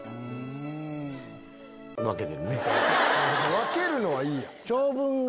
分けるのはいいやん！